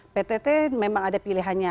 ptt memang ada pilihannya